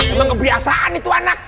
emang kebiasaan itu anak